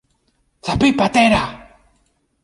Θα πει, πατέρα